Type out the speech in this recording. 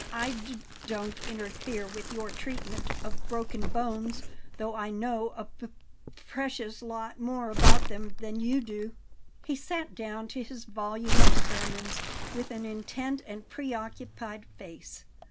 I d d don't interfere with your treatment of broken bones, though I know a p p precious lot more about them than you do." He sat down to his volume of sermons with an intent and preoccupied face.